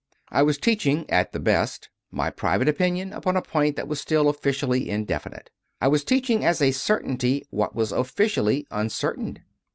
I was teaching, at the best, my private opinion upon a point that was still officially indefinite. I was teaching as a certainty what was officially uncertain.